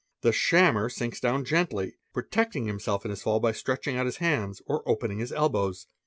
The ammer sinks down gently, protecting himself in his fall by stretch 5 meus his hands or opening his elbows.